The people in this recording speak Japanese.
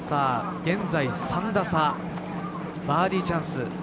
現在３打差バーディーチャンス。